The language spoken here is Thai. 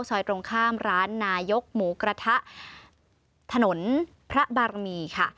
ตรงข้ามร้านนายกหมูกระทะถนนพระบารมีค่ะ